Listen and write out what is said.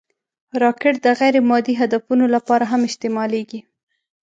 راکټ د غیر مادي هدفونو لپاره هم استعمالېږي